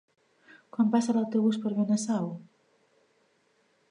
Quan passa l'autobús per Benasau?